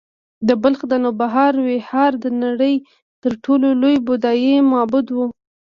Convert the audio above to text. د بلخ د نوبهار ویهار د نړۍ تر ټولو لوی بودایي معبد و